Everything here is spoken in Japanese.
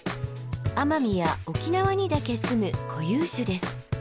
奄美や沖縄にだけ住む固有種です。